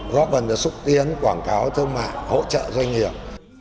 rõ vần là xúc tiến quảng cáo thương mạng hỗ trợ doanh nghiệp